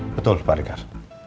betul pak rekar